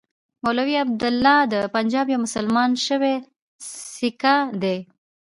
مولوي عبیدالله د پنجاب یو مسلمان شوی سیکه دی.